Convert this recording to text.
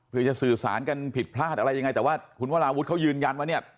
เพื่อจะสื่อสารกันผิดพลาดอะไรยังไงแต่ว่าคุณวราวุฒิเขายืนยันว่าเนี่ย